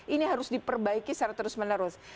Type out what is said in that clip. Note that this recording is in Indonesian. ini harus diperbaiki secara terus menerus